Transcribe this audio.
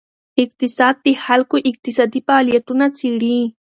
اقتصاد د خلکو اقتصادي فعالیتونه څیړي.